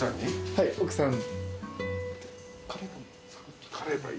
はい奥さん。